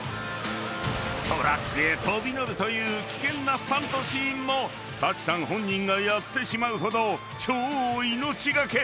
［トラックへ飛び乗るという危険なスタントシーンも舘さん本人がやってしまうほど超命懸け］